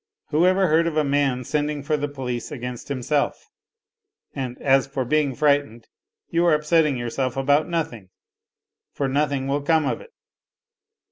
" Whoever heard of a man sending for the police against himself ? And as for being frightened } r ou are upsetting yourself about nothing, for nothing will come of it."